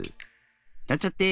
なんちゃって！